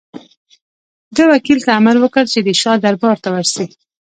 ده وکیل ته امر وکړ چې د شاه دربار ته ورسي.